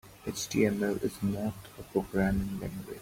HTML is not a programming language.